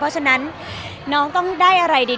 เพราะฉะนั้นน้องต้องได้อะไรดี